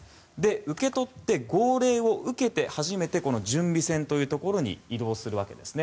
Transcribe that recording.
受け取って、号令を受けて初めて準備線というところに移動するわけです。